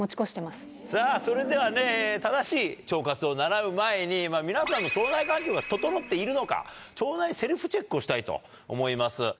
さぁそれではね正しい腸活を習う前に皆さんの腸内環境が整っているのか腸内セルフチェックをしたいと思います。